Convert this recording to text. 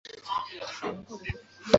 该字母读音为次开央元音。